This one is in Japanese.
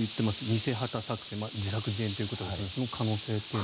偽旗作戦自作自演ということですがその可能性というのは。